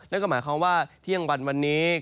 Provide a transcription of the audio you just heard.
นั่นก็หมายความว่าเที่ยงวันวันนี้